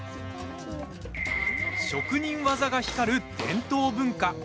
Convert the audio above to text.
職人技が光る伝統文化。